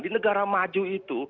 di negara maju itu